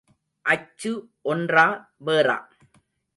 அச்சு ஒன்றா வேறா?